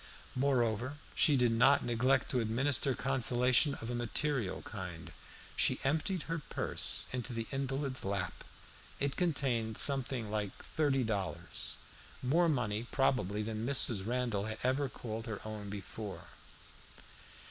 Moreover, she did not neglect to administer consolation of a material kind. She emptied her purse into the invalid's lap. It contained something like thirty dollars more money, probably, than Mrs. Randall had ever called her own before.